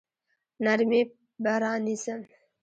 نرمي به رانیسم.